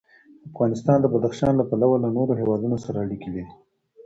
افغانستان د بدخشان له پلوه له نورو هېوادونو سره اړیکې لري.